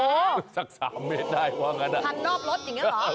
โอ้โฮสัก๓เมตรได้ว่างั้นพันรอบรถอย่างนี้เหรอ